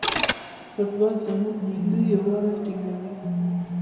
فوټبال زموږ ملي یووالی ټینګوي.